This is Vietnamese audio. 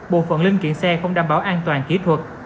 bộ phận linh kiện xe không đảm bảo an toàn kỹ thuật